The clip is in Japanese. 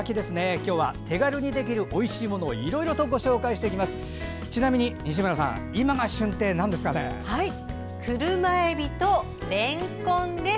今日は手軽にできるおいしいものをいろいろとご紹介していきます。